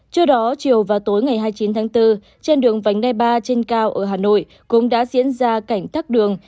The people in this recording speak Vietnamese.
trước đó chiều và tối ngày hai mươi chín tháng bốn trên đường vành đê ba trên cao ở hà nội cũng đã diễn ra cảnh thắt đường